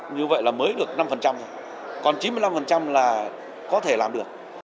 như vậy là mới được năm còn chín mươi năm là có thể làm được